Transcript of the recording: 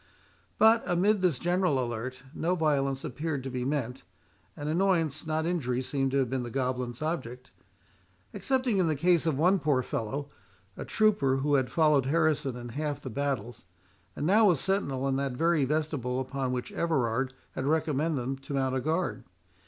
But amid this general alerte, no violence appeared to be meant, and annoyance, not injury, seemed to have been the goblins' object, excepting in the case of one poor fellow, a trooper, who had followed Harrison in half his battles, and now was sentinel in that very vestibule upon which Everard had recommended them to mount a guard.